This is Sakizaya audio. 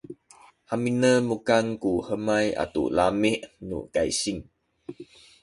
haminen mukan ku hemay atu lami’ nu kaysing